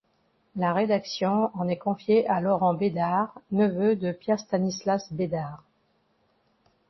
La rédaction en est confiée à Laurent Bédard, neveu de Pierre-Stanislas Bédard.